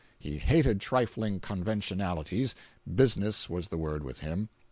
He hated trifling conventionalities—"business" was the word, with him.